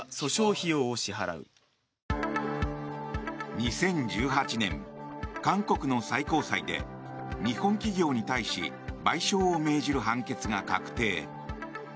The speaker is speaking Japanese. ２０１８年、韓国の最高裁で日本企業に対し賠償を命じる判決が確定。